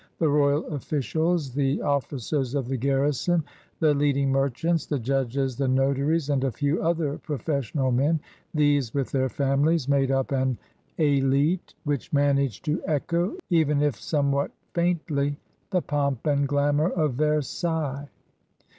The royal officials, the officers of the garrison, the leading merchants, the judges, the notaries and a few other profes sional men — these with their families made up an ^te which managed to echo, even if somewhat faintly, the pomp and glamor of Versailles.